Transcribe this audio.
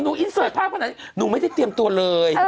อินเสิร์ตภาพขนาดนี้หนูไม่ได้เตรียมตัวเลย